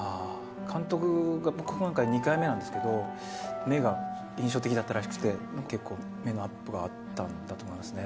監督が僕、今回２回目なんですけど、目が印象的だったらしくて、結構目のアップがあったんだと思いますね。